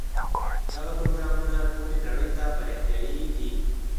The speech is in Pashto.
دغه پروګرامونه ټولې نړۍ ته پراختیايي دي.